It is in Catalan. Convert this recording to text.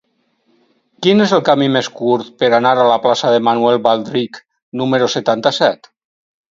Quin és el camí més curt per anar a la plaça de Manuel Baldrich número setanta-set?